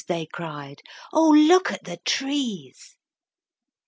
they cried, "O look at the trees!"